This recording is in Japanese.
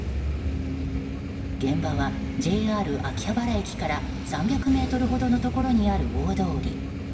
現場は、ＪＲ秋葉原駅から３００ｍほどのところにある大通り。